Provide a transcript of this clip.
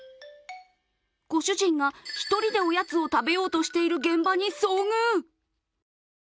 ご主人が１人でおやつを食べようとしている現場に遭遇。